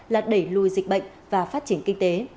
là đẩy lùi dịch bệnh và phát triển kinh tế